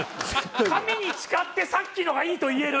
神に誓ってさっきの方がいいと言える。